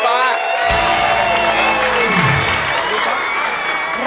เรามาเริ่มเล่นเกมกันเลยดีไหมคะ